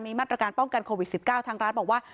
มาตรการป้องกันโควิด๑๙ทางร้านบอกว่า